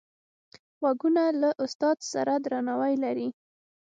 غوږونه له استاد سره درناوی لري